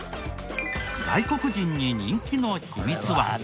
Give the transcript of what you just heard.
外国人に人気の秘密は。